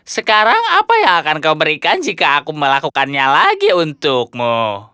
sekarang apa yang akan kau berikan jika aku melakukannya lagi untukmu